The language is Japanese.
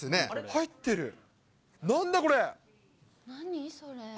入ってる、なんだこれ。